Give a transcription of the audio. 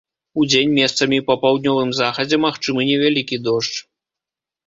Удзень месцамі па паўднёвым захадзе магчымы невялікі дождж.